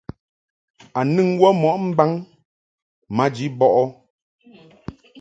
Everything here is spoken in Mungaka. A nɨŋ wə mo mbaŋ maji bɔʼɨ ?